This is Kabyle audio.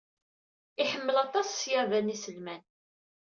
Iḥemmel aṭas ṣṣyada n yiselman.